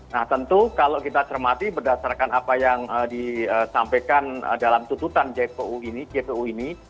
nah tentu kalau kita cermati berdasarkan apa yang disampaikan dalam tuntutan jpu ini